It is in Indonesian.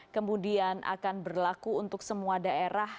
kemudian akan berlaku untuk semua daerah